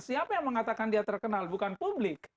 siapa yang mengatakan dia terkenal bukan publik